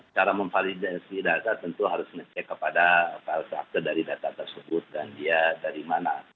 cara memvalidasi data tentu harus ngecek kepada file tracker dari data tersebut dan dia dari mana